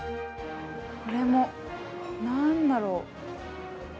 これ何だろう。